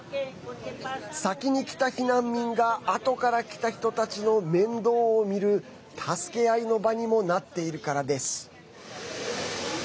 先に来た避難民が後から来た人たちの面倒を見る助け合いの場にもなっているからです。